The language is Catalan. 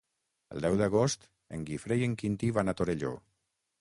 El deu d'agost en Guifré i en Quintí van a Torelló.